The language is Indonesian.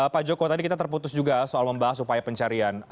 pak joko tadi kita terputus juga soal membahas upaya pencarian